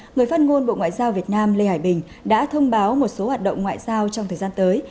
người phát ngôn bộ ngoại giao việt nam lê hải bình đã thông báo một số hoạt động ngoại giao trong thời gian tới